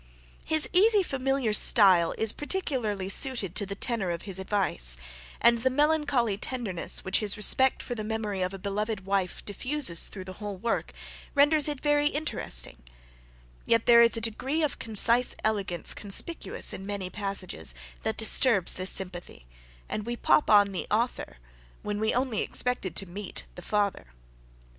His easy familiar style is particularly suited to the tenor of his advice, and the melancholy tenderness which his respect for the memory of a beloved wife diffuses through the whole work, renders it very interesting; yet there is a degree of concise elegance conspicuous in many passages, that disturbs this sympathy; and we pop on the author, when we only expected to meet the father.